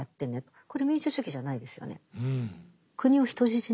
これ民主主義じゃないですよね。